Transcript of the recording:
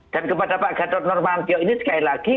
dan kepada pak gadot nurmantio ini sekali lagi